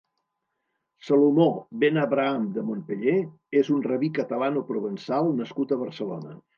Salomó ben Abraham de Montpeller és un rabí catalano-provençal nascut a Barcelona.